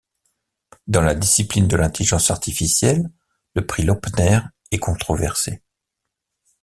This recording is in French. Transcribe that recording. Dans la discipline de l'intelligence artificielle, le prix Loebner est controversé.